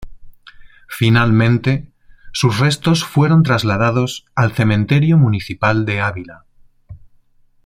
Finalmente sus restos fueron trasladados al cementerio municipal de Ávila.